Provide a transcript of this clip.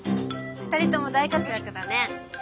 ２人とも大活躍だね。